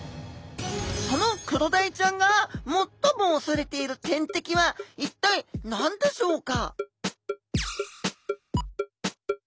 そのクロダイちゃんが最もおそれている天敵は一体何でしょうか？